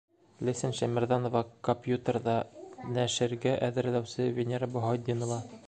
Ләйсән Шәймәрҙәнова Копьютерҙа нәшергә әҙерләүсе Венера Баһаутдинова